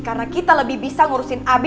karena kita lebih bisa ngurusin abi